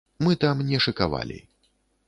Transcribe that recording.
Мы там не шыкавалі.